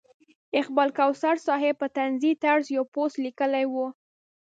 اقبال کوثر صاحب په طنزي طرز یو پوسټ لیکلی و.